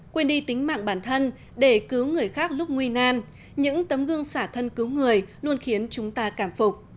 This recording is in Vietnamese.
quên đi tính mạng bản thân để cứu người khác lúc nguy nan những tấm gương xả thân cứu người luôn khiến chúng ta cảm phục